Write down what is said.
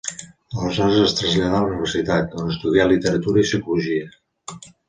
Aleshores es traslladà a la Universitat, on estudià literatura i psicologia.